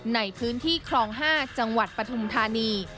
ในพื้นที่คลอง๕จังหวัดปฐุมธานี